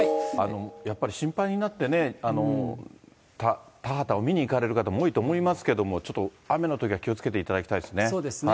やっぱり心配になってね、田畑を見に行かれる方も多いと思いますけれども、ちょっと雨のときは気をつけていただきたいですね。